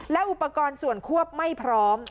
และอุปกรณ์ส่วนควบไม่พร้อม